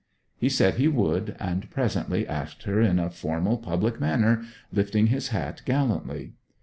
He said he would, and presently asked her in a formal public manner, lifting his hat gallantly.